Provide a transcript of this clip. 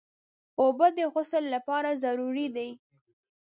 اوبه د غسل لپاره ضروري دي.